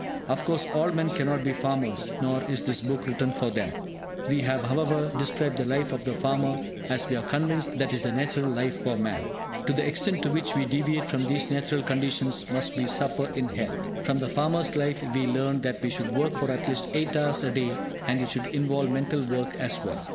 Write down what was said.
Of course, all men cannot be farmers, nor is this book written for them. We have however, described the life of the farmer, as we are convinced that it is the natural life for man. To the extent to which we deviate from these natural conditions must we suffer in health. From the farmer's life we learn that we should work for at least 8 hours a day, and it should involve mental work as well.